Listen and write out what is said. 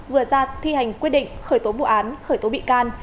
vừa ra thi hành quyết định khởi tố vụ án khởi tố bị can